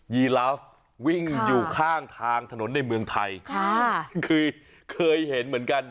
ีลาฟวิ่งอยู่ข้างทางถนนในเมืองไทยค่ะคือเคยเห็นเหมือนกัน